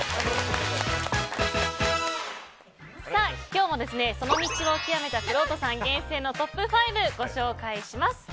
今日もその道を究めたくろうとさん厳選のトップ５をご紹介します。